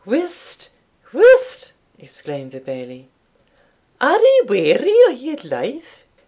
"Whist! whist!" exclaimed the Bailie; "are ye weary o' your life?